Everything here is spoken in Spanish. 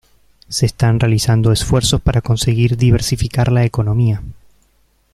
Se están realizando esfuerzos para conseguir diversificar la economía.